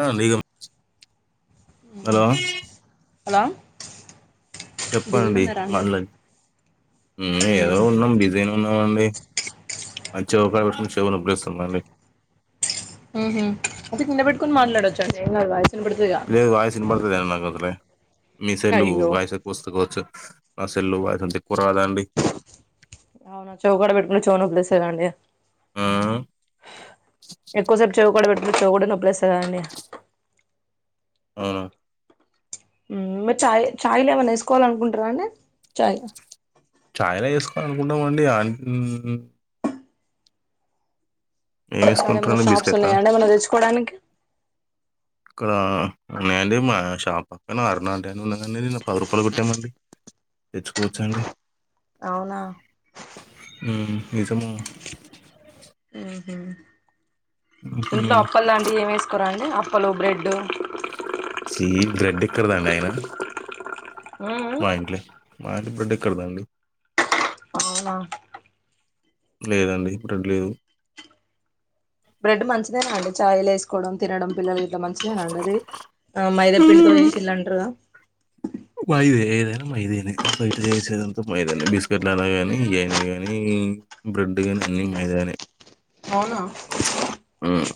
ఆ legal, hello hello బిజీగా చెప్పండి ఉన్నారా అండి మల్ల ఊహ్ మ్మ్ ఏదో ఉన్నం, బిజీగనున్నమండి. మంచి రూపాయి పట్టుకొని చెవి నోపిలేస్తుంది అండీ ఊహు, ఐ తిక్ నిలబెట్కొని మాట్లాడచ్చు అండి. ఏంగాదు వాయిస్ వినపడుతదిగా ప్లే వాయిస్ ఇనబడుత లేదు నాకు అసలే. మీ సెల్లూ అయ్యో వాయిస్ ఎక్కవొస్తది గావచ్చు. నా సెల్లులొ, వాయిసంతెక్కువ రాదండి. అవునా? చెవుకాడా పెట్టుకొని, చెవునొప్పి లేస్థాదికదండి. ఆ ఎక్కో సేపు చెవ్ కాడ బెట్ టె గుడ నొప్పి లేస్తకదండి. అవునా? ఊహ్ చాయ్! చాయ్ల ఏమన్న ఏస్కోవాలనుకుంటరా అండి? చాయ్ చాయ్ల ఏస్కొవాలనుకుంటామండి. ఆఁయ్ ఊఁహు. ఏం అక్కడ ఏమైనా ఏస్కుంటరండి షాప్స్ బిస్కెట్లా? ఉన్నాయా అండి ఏమన్నా తెచ్చుకోవడానికి క నయిందే మాహషి డా పక్కన అరునాంటి అని ఉండేది అండీ నిన్న పది రూపాయలు కొట్టామండి తెచ్చుకోవచ్చా అండి అవునా ఉం నిజము ఊహూ ఇంట్లో అప్పల్ లాంటి ఏం ఎసుకోరా అండి అ ప్పలో బ్రెడ్ ఈ బ్రెడ్ ఎక్కడదండి అయిన ఉ ఉమ్ మా కి బ్రెడ్ ఎక్కడిదండి అవునా లేదండి బ్రెడ్ లేదు బ్రెడ్ మంచిదే నా అండి చాయల ఎసుకోవడం తినడం పిల్లల ఇట్లా మంచిలేనండి అది ఆ మైదా పిండితో ఏసిల్లంటర్గా మైదే ఏదైనా మైదేని బయట చేసేదంతా మైదాని బిస్కెట్ లా కాని ఇ అయినా గాని ఉమ్ బ్రెడ్ గాని అన్ని మైదానే అవునా ఉమ్,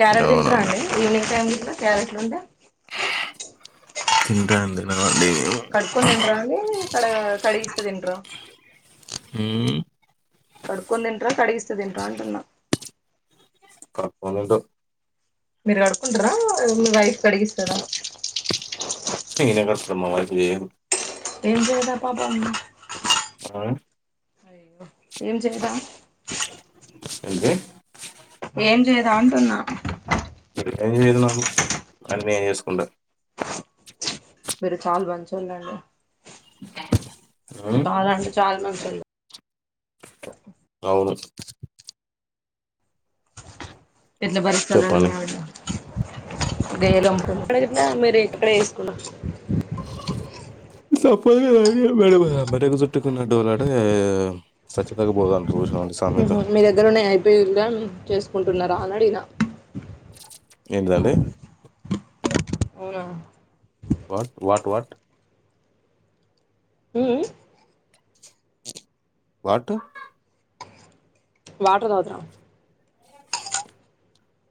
క్యారెట్ తింటారా అవునండి అండి ఈవినింగ్ టైమ్ గిట్ల క్యారెట్లు ఉంటే తింట అండి నావ్ కడుక్కొని తింట్రా అండీ కడ కడిగిస్తే తింట్రా ఉమ్ కడుకొని తింటరా కడిగిస్తె తింటార అంటున్నా కడుక్కొని తింటర్ మీరు కడుకుంటారా మీ వైఫ్ కడిగిస్తాదా నేనే కడుక్కుంటా మ వైఫ్ చెయ్యదు ఏం చేదా పాపం ఆ అయ్యో ఏం చేయదా ఏంటిది ఏం చేయదా అంటున్నా ఎం చేయదు నాకు అన్ని నేనే చేసుకుంట మీరు చాలా మంచోళ్ళండి ఉమ్, చాలా అంటే చాలా మంచోళ్లు అవును ఎట్ల బతుకుతాళ్లండి చెప్పండి మేం అట్ల బేరం ఎక్కడైనా మీరు ఇక్కడే ఎసుకున్న తప్పదు గా మెడకు చుట్కున్న డోలాట సచ్చేదాకా పొదంటారు చూసినవా అన్స్ మీ దగ్గర ఉన్న ఐపోయిందా చేసుకుంటున్నారా ఆన అడిగినా ఏంటిదండి అవునా వాట్ వాట్ వాట్ హ్ హు వాటు వాటర్ తాగుదురా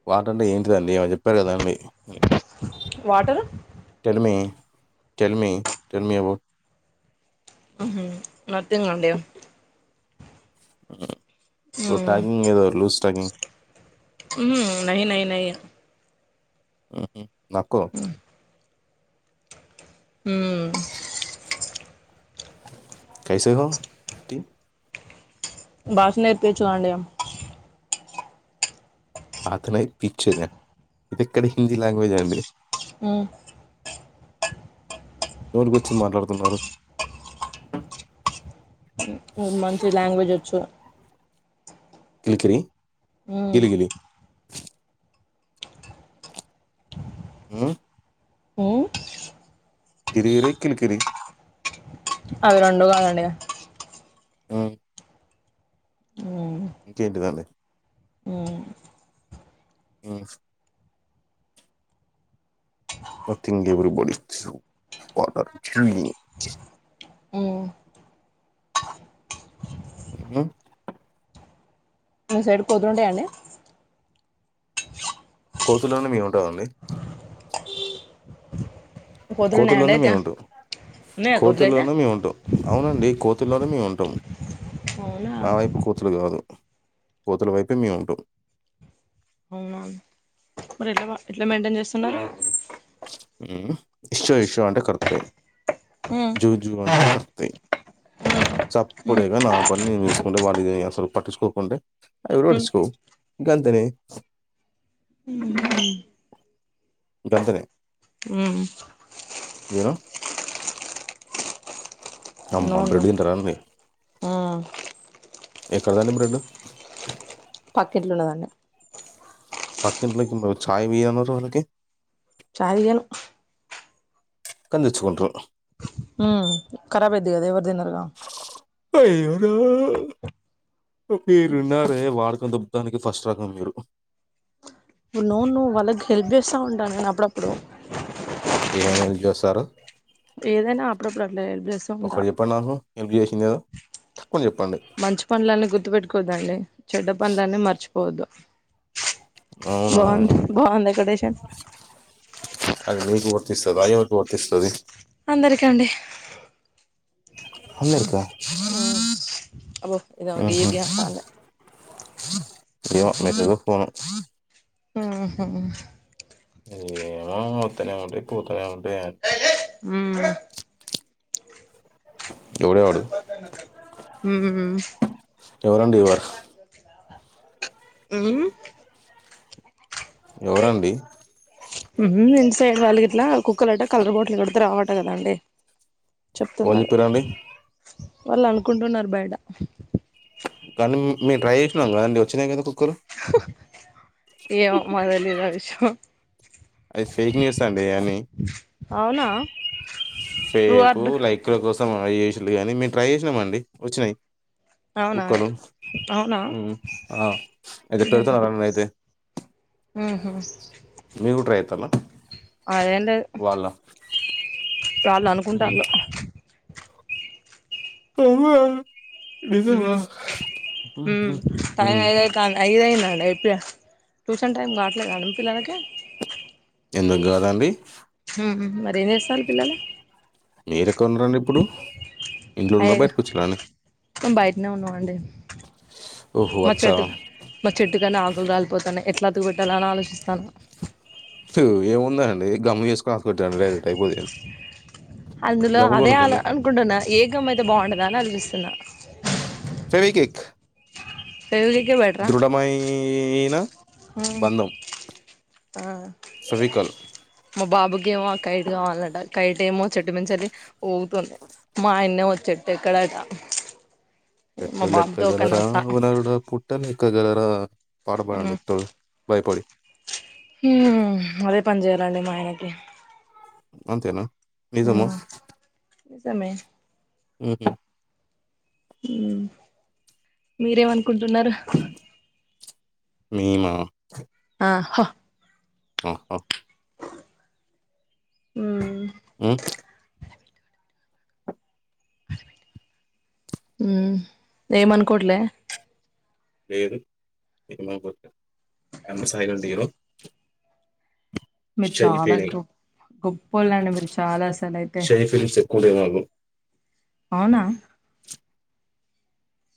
వాటంటే ఏంటిదండి ఈమ చెప్పారు కదా అండి water tell me tell me, tell me ఆబో nothing అండి యు ఉహు టాకింగ్ ఏదో లూస్ టాకింగ్ ఏ నక్కో హుమ్ కైసే హో టీ భాష నేర్పిచ్చు అండి అతనై పిచ్చేద ఇదెక్కడి హిందీ లాంగ్వేజ్ అండి ఊ నోటికొచ్చింది మాట్లాడుతున్నారు మీది మంచి లాంగ్వేజ్ వచ్చు కిలికిరి ఉ గిలి గిలి ఊ ఉ గిరి గిరి కిలి కిరి అవి రెండూ గాదండిగా ఊ ఉ ఇంకేంటిదండి ఉ [unintelligible] నత్తింగ్ ఎవ్రీబడి వాటర్ [unintelligible] [unintelligible] ఆ సైడ్ కోతులుంటాయా అండి కోతులుండక ఏం ఉంటాదండి కోతులు ఉన్నాయండి కోతుల్లోనే అయితే మేముంటాం ఉన్నాయా కోతులు అయితే కోతుల్లోనే మేముంటాం అవునండి కో తుల్లోనే మేం ఉంటాం అవునా మా వైపు కోతులు కాదు కోతుల వైపే మేం ఉంటాం మరెట్ల బా ఎట్ల మెయింటైన్ చేస్తున్నారు ఊ ఇష్షో ఇష్షో అంటే కరుత్తాయి జూ ఉమ్ జూ అంటే కర్తాయి చప్పుడేగ నా పని నేను చూసుకుంటే వాటిది అసలు పట్టిచ్చుకోకుంటే అవి గూడ పట్టిచ్చుకోవు ఇంకాంతనే ఉ వెంతనే ఉమ్ జరో నో అమ్మ నో బ్రెడ్ తింటార అండి ఉమ్ ఎక్కడదాండి బ్రెడ్ పక్కెట్లు ఉన్నదాన్ని పకింట్లోకి చాయ్ బియన్నారు వాళ్ళకి చాలగాను కందిచ్చుకుంటు ఉ ఖరాబ్ అది కదా ఎవరి దన్నారురగా అయిరు మీరున్నారే వాడక దుబతానికి ఫస్ట్ రకం మీరు ఇ ను్వు నువ్వు వాళ్ళకి హెల్ప్ చేస్తా ఉంటాను కానీ అప్పుడప్పుడు ఏమైలు చూస్తారు ఏదైనా అప్పుడప్పుడులే అభ్యాసం ఉంటా ఒకటి చెప్పండి నాకు హెల్ప్ చేసిందేదో. తక్కువ చెప్పండి. మంచి పనులన్నీ గుర్తుపెట్టుకోవద్దండి చెడ్డ పనులన్నీ మర్చిపో బాధ అవునా! బాగుంది బాగుంది ఎక్కడేషన్ చిన్న స్థాయి వాళ్లకి వర్తిస్తది అందరికండి అమెరికా ఉమ్ అబ్బో ఇదేమో ఆహ గియ్యి గియ్యి అంటాంది ఏమో మెసేజ్ ఫోనో ఆహా ఏమో వస్తానే ఉంటాయి పోతూనే ఉంటాయి అన్ని ఉ ఎవడేవాడు ఉమ్మ్ స్టోర్ అండ్ రివర్స్ ఉమ్మ్ ఎవరండి హుమ్మ్ ఇంటి సైడ్ వాళ్లు గిట్ల కుక్కలు అంట కలర్ బాటిల్ కాడితే రావు అంట కదండీ ఒళ్ళు చేపిరు అవి వాళ్ళు అనుకుంటున్నారు బైట కానీ మీరు ట్రై చేసినర్ కదండి వచ్చినాయి కదా కుక్కలు మ్మ్ అది ఫేక్ న్యూస్ అండి అన్ని అవునా ట్రూ ఆర్ ఫేకు లైక్ల కోసం అయి చేసిండ్రు గానీ మేము ట్రై చేసినాం అండి వచ్చినాయి [unintelligible] కుక్కలు అవునా మ్ ఆ అయితే పెడతారది అయితే మ్ హు మీరు ట్రై చేస్తురా అదేం లేదు వాళ్ళు అనుకుంటాల్లు [unintelligible] నిజమా మ్ ఉమ్, మ్ ఉమ్, టైం ఉమ్. ఐదు అయితాంది ఐదఅయింది డి అయితే ట్యూషన్ టైం కావట్లేదుండి మీ పిల్లలకి ఎందుకు కాదాండి మ్ హు మరేం చేస్తారు పిల్లలు మీర ఎక్కడ ఉన్నారండి ఇప్పుడు ఇంట్లో అయ్యో ఉన్నారా బయటకు వచ్చిరా అండి మేం బయటనే ఉన్నాం అండి ఓహో మా అచ్చా చెట్టు మా చెట్టుకి అని ఆకులు రాలిపోతాన్నాయి ఎట్లా హద్దు పెట్టాలని ఆలోచిస్తున్నా తు ఏముందండి గమ్ చేసుకో అతుకు పెట్టండి అయిపోద్ది అందులో అదే అల అ అనుకుంటున్నా ఏ గమ్ అయితే బాగుంటదా అని ఆలోచిస్తున్నా ఫెవికిక్ ఫెవికిక్కే బెటరా ఏనా హ ఆ సవికల్ మా బాబుకి ఏమో ఆ కైట్ కావాలట కైట్ ఏమో చెట్టు మిన్చెల్లి ఊగుతుంది మా ఆయన్నే వచ్చే చేటు ఎక్కడట మా చెట్టులెక్క బాబుతో ఒక గలరా నస ఓ నరుడ పుట్టలెక్క గలరా పాటపడండి తో బయపడి మ్ అదే పని చేయాలండి మా ఆయనకి అంతేనా నిజమ హ్మ్ నిజమే మ్ హు!. మీరేమనుకుంటున్నారు? మ్ నా ఆ హ్ హ్మ్ హూ! మ్ మ్ మ్ ఏం అనుకోవట్లే. [unintelligible] మీరు షై చాలా ఫీలింగ్ గొప్ గొప్పోళ్ళండి మీరు చాలా అసలైతే షై ఫీలింగ్స్ ఎక్కువ్ ఉండేవాళ్లు. అవునా?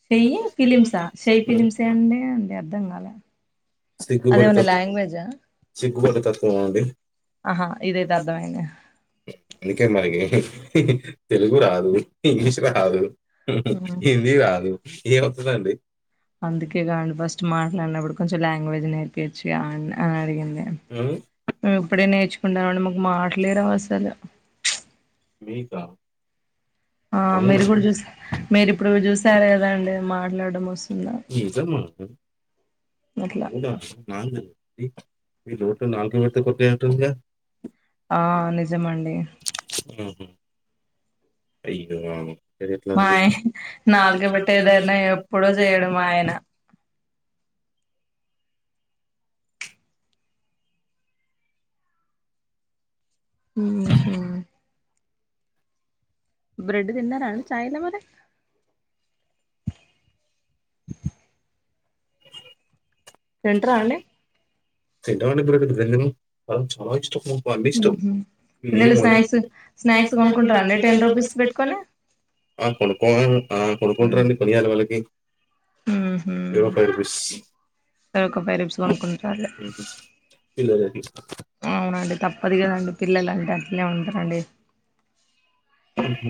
Shy shy feelings shy feelings అంటే అండి అర్ధం కాలే అదేమన్నా సిగ్గుపడేతత్వం, లాంగ్వేజా సిగ్గుపడేతత్వమా అండి ఆహా, ఇదైతే అర్థమైంది. ఇంకేం మరి తెలుగు రాదు, ఇంగ్లీషు రాదు హిందీ రాదు ఏమవుతుందండి అందుకేగా ఫస్ట్ మాట్లాడినప్పుడు. కొంచెం లాంగ్వేజ్ నేర్పియచ్చ్గా అని అడిగింది ఉమ్, ఇప్పుడే నేర్ చెప్పండి మేడమ్ మాకు మాటలేరావసలు. అకా [unintelligible] ఆ మీరు కూడా చూసా మీరిప్పుడు చూసారు కదా అండి మాట్లాడడం వస్తుందా ఇజ మ [unintelligible] అట్లా రోట్ నాలుగు మీ కొట్ంటక [unintelligible] ఆ నిజమండి. హ హు ఐదు ఆరు మా ఆయ మావయ్యా నాలుక డ్యూటి పెట్టేదైనా ఎప్పుడో ఎప్పుడు చేయడు చేయను మా మావయ్యా. ఆయన ఏమి చేయ్యను. బ్రెడ్ తిన్నార అండి. చాయ్ లో మళ్ళా తింటారా అవి? ఇంటరాండి. తింటామండి ఇప్పుడు [unintelligible] చాలా ఇష్టం అన్నీ ఇష్టం ఉహు పిల్లలు స్నాక్స్ [unintelligible] స్నాక్స్ కొనుక్కుంటారా అండి నైట్ టెన్ రూపీస్ పెట్టుకొని పెట్టినావ్ ఆ కొనుక్కవాలి ఆ ఉమ్ కొనుకుంటారండి కొనియాలి వాళ్ళకి. ఇవిగో ఫైవ్ రూపీస్. సరే ఒక ఫైవ్ రూపీస్ కొనుంకుంటాచల్లే. ఇన్నజస్తార్ [inaudible] అవునండి. తప్పదు కదాండి పిల్లలు అంటే అట్నే ఉంటారండి.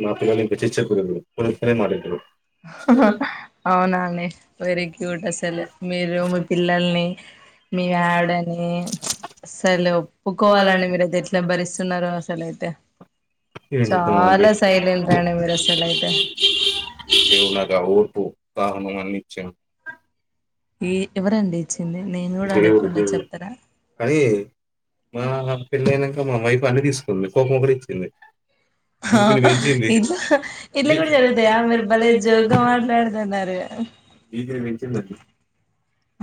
మా పిల్లలు ఇంకా చిచ్చర పిడుగులుకానిస్తేనే మాట వింటారు. అహ్! అవునాండి. వెరీ గుడ్ అసలు మీరు మీ పిల్లల్ని. మ ఆవిడని సర్లేేఒప్పుకోవాలండి పోవాలండి మీరు అయితే ఎట్లా చెప్పిన భరిస్తున్నారో పరిస్థితుల్లో. అసలు అయితే. ఏం చెప్పమండి. చాలా సైలెంట్ అండి మీరు అసలు అయితే. కేవునాగా ఒఓపు త హనుమాను నిచ్చ [unintelligible] ఈ ఎవరండి ఇచ్చింది నేను కూడా దేవుడు అడగకుండా అడుగుతుండా చెప్తారా? ఆ మా పెళ్ళి అయినాక మా వైఫ్ అన్నీ తీసుకుంది పాపం ఒకటి ఇచ్చింది. అ బీపీని ఆ పెంచింది. ఇట్లా కూడా జరుగుతాయా మీరు భలే జోగ్ గా మాట్లాడుతున్నారు. ఈదివంచిన్నది [unintelligible]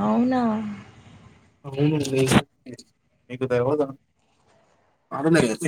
అవునా? వు మీకుదాదా అ [unintelligible]